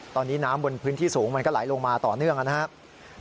ตอนนี้น้ำบนพื้นที่สูงมันก็ไหลลงมาต่อเนื่องนะครับ